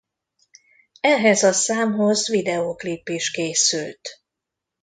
Ehhez a számhoz videóklip is készült.